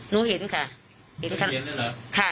นูเห็นค่ะเขาเห็นทั้งคนเลย